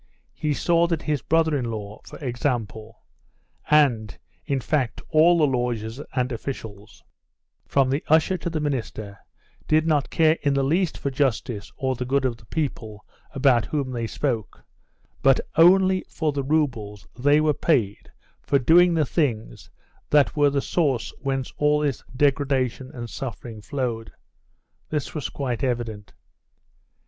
He saw that his brother in law, for example, and, in fact, all the lawyers and officials, from the usher to the minister, do not care in the least for justice or the good of the people about whom they spoke, but only for the roubles they were paid for doing the things that were the source whence all this degradation and suffering flowed. This was quite evident.